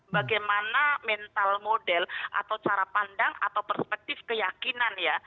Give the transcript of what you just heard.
bagaimana mental model atau cara pandang atau perspektif keyakinan ya